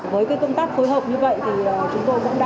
với cái công tác phối hợp như vậy thì chúng tôi